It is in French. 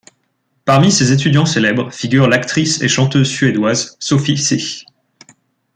Parmi ses étudiants célèbres, figure l'actrice et chanteuse suédoise Sophie Cysch.